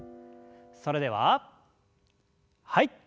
それでははい。